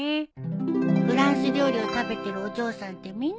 フランス料理を食べてるお嬢さんってみんなこんななのに。